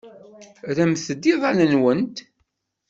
Rremt-d iḍan-nwent.